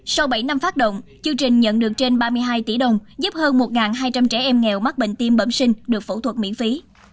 sau bảy năm phát động chương trình nhận được trên ba mươi hai tỷ đồng giúp hơn một hai trăm linh trẻ em nghèo mắc bệnh tim bẩm sinh được phẫu thuật miễn phí